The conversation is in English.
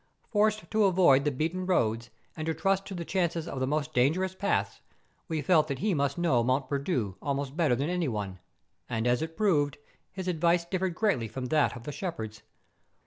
Forced to avoid the beaten roads, and to trust to the chances of the most dan¬ gerous paths, we felt that he must know Mont Perdu almost better than any one; and, as it proved, his advice differed greatly from that of the shepherds.